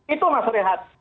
itu mas rehat